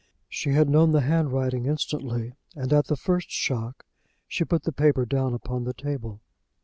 She had known the handwriting instantly, and at the first shock she put the paper down upon the table.